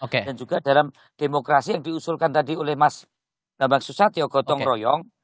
dan juga dalam demokrasi yang diusulkan tadi oleh mas namak susatio gotong royong